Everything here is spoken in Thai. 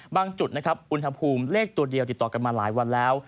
จุดนะครับอุณหภูมิเลขตัวเดียวติดต่อกันมาหลายวันแล้ว